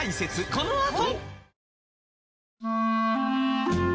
このあと！